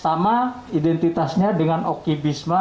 sama identitasnya dengan oki bisma